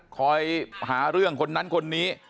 คอยหาเรื่องคนนั้นคนนี้